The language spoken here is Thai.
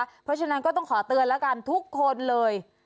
เพราะฉะนั้นก็ต้องขอเตือนแล้วกันทุกคนเลย